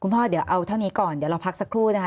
พ่อเดี๋ยวเอาเท่านี้ก่อนเดี๋ยวเราพักสักครู่นะคะ